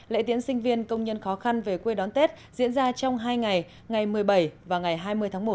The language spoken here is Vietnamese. lễ tiễn sinh viên công nhân khó khăn về quê đón tết diễn ra trong hai ngày ngày một mươi bảy và ngày hai mươi tháng một năm hai nghìn một mươi bảy